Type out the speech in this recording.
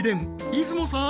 出雲さん